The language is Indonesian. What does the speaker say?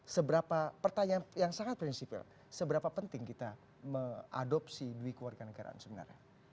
seberapa pertanyaan yang sangat prinsipil seberapa penting kita mengadopsi duit keluarga negaraan sebenarnya